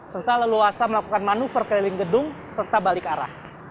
serta leluasa melakukan manuver keliling gedung serta balik arah